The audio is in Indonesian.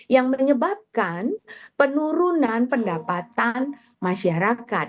yang menyebabkan penurunan pendapatan masyarakat